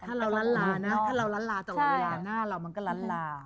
ถ้าเรารั้นลานะถ้าเรารั้นลาแต่ว่าเรารั้นลาหน้าเรามันก็รั้นลา